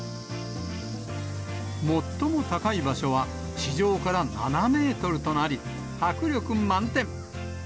最も高い場所は、地上から７メートルとなり、迫力満点。